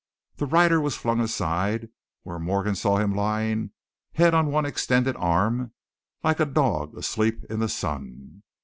The rider was flung aside, where Morgan saw him lying, head on one extended arm, like a dog asleep in the sun.